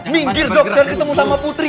minggir dok dan ketemu sama putri